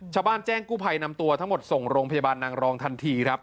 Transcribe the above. แจ้งกู้ภัยนำตัวทั้งหมดส่งโรงพยาบาลนางรองทันทีครับ